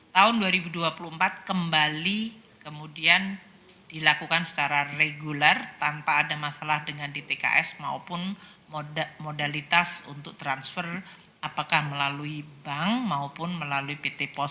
tahun dua ribu dua puluh empat kembali kemudian dilakukan secara reguler tanpa ada masalah dengan dtks maupun modalitas untuk transfer apakah melalui bank maupun melalui pt post